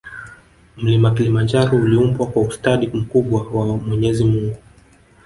Mlima kilimanjaro uliumbwa kwa ustadi mkubwa wa mwenyezi mungu